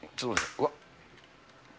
うわっ。